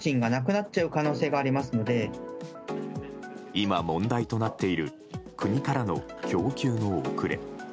今、問題となっている国からの供給の遅れ。